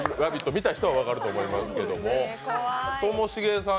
見た人は分かると思いますけどともしげさん